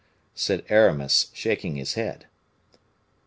said Aramis, shaking his head.